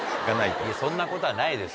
そんなことはないです。